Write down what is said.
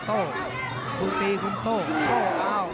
โหดแก้งขวาโหดแก้งขวา